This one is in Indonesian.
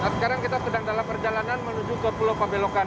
sekarang kita sedang dalam perjalanan menuju ke pulau pabelokan